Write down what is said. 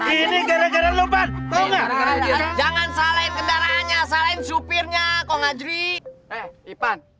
ini gara gara lupa jangan salah kendaraannya saling supirnya kok ngajri